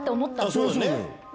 そうですね。